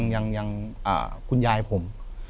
ยังคุณยายผม